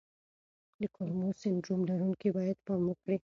د کولمو سنډروم لرونکي باید پام وکړي.